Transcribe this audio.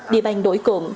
địa bàn nổi cồm